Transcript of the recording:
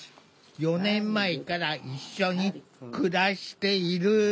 ４年前から一緒に暮らしている。